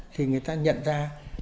thì người ta nhận ra